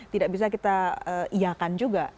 tidak bisa kita iakan juga